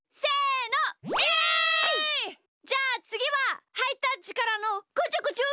じゃあつぎはハイタッチからのこちょこちょ！